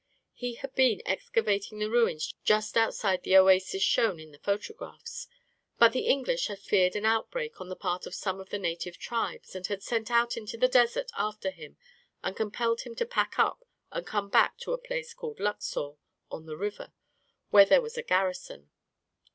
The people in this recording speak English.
He had been ex cavating the ruins just outside the oasis shown in the photographs ; but the English had feared an out break on the part of some of the native tribes, and had sent out into the desert after him and compelled him to pack up and come back to a place called Luxor, on the river, where there was a garrison.